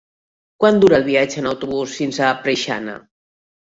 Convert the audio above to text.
Quant dura el viatge en autobús fins a Preixana?